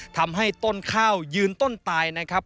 ทำให้ต้นข้าวยืนต้นตายนะครับ